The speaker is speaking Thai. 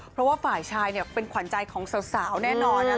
เพราะว่าฝ่ายชายเป็นขวัญใจของสาวแน่นอน